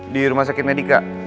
di rumah sakit medika